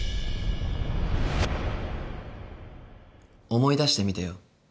思い出してみてよ。